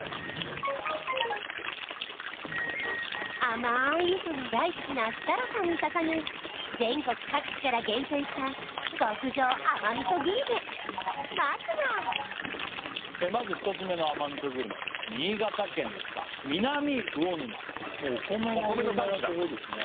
あまーい味噌が大好きな設楽さんに捧ぐ全国各地から厳選した極上甘味噌グルメまずはまず１つ目の甘味噌グルメ新潟県ですか南魚沼お米の産地だ